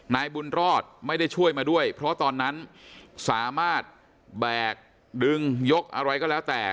นายบุญรอดไม่ได้ช่วยมาด้วยเพราะตอนนั้นสามารถแบกดึงยกอะไรก็แล้วแต่